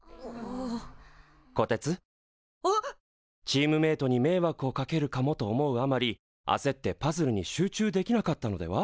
チームメートにめいわくをかけるかもと思うあまりあせってパズルに集中できなかったのでは？